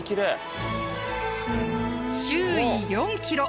周囲４キロ